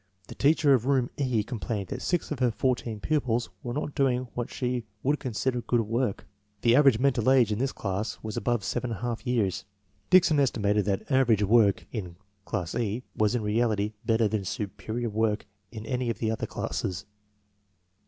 The teacher oi room E complained that six of her fourteen pupils were not doing what she would consider good work. The average mental age in this class was above 7$ years. Dickson estimated that "average" work in DIFFEBENCES IN FIRST GRADE CHILDREN 55 class E was in reality better than "superior" work in any of the other classes.